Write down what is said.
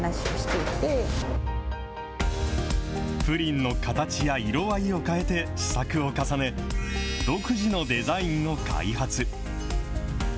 プリンの形や色合いを変えて試作を重ね、独自のデザインを開発。